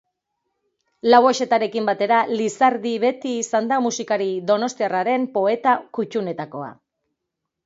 Lauaxetarekin batera Lizardi beti izan da musikari donostiarraren poeta kutunetakoa.